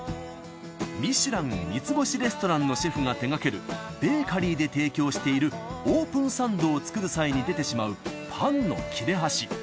ミシュラン３つ星レストランのシェフが手がけるベーカリーで提供しているオープンサンドを作る際に出てしまうパンの切れ端。